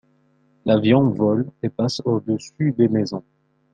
l'avion vole et passe au dessus des maisons